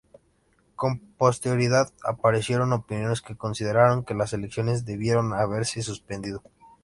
Con posterioridad aparecieron opiniones que consideraron que las elecciones debieron haberse suspendido.